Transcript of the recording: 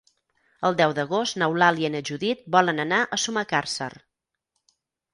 El deu d'agost n'Eulàlia i na Judit volen anar a Sumacàrcer.